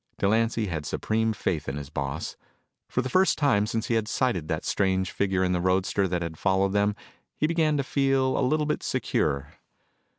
Delancy had supreme faith in his boss. For the first time since he had sighted that strange figure in the roadster that had followed them, he began to feel a little bit secure.